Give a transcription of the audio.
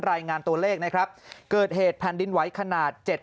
รายงานตัวเลขนะครับเกิดเหตุแผ่นดินไหวขนาดเจ็ด